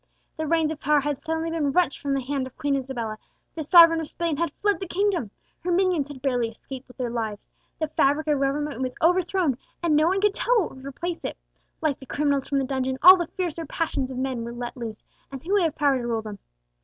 The reins of power had suddenly been wrenched from the hand of Queen Isabella; the sovereign of Spain had fled the kingdom; her minions had barely escaped with their lives; the fabric of government was overthrown, and no one could tell what would replace it. Like the criminals from the dungeon, all the fiercer passions of men were let loose, and who would have power to rule them?